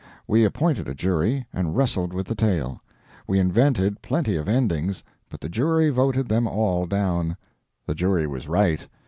We appointed a jury and wrestled with the tale. We invented plenty of endings, but the jury voted them all down. The jury was right.